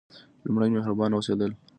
لومړی: مهربانه اوسیدل.